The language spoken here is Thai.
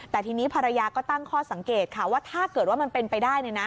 แต่ทีนี้ภรรยาก็ตั้งข้อสังเกตค่ะว่าถ้าเกิดว่ามันเป็นไปได้